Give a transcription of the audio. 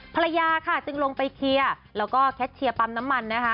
ภรรยาค่ะจึงลงไปเคลียร์แล้วก็แคทเชียร์ปั๊มน้ำมันนะคะ